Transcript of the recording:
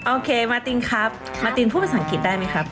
โอเคมาตินครับมาตินพูดภาษาอังกฤษได้ไหมครับ